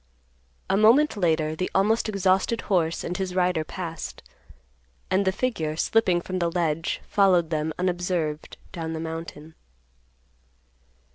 A moment later the almost exhausted horse and his rider passed, and the figure, slipping from the ledge, followed them unobserved down the mountain.